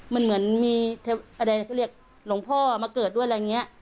มันเหมือนมีอะไรก็เรียกหลวงพ่อมาเกิดด้วยอะไรอย่างนี้